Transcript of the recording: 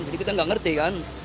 jadi kita gak ngerti kan